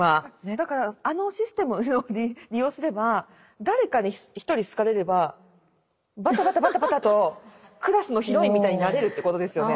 だからあのシステムを利用すれば誰かに一人好かれればバタバタバタバタとクラスのヒロインみたいになれるってことですよね。